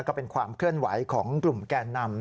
ก็เป็นความเคลื่อนไหวของกลุ่มแก่นำ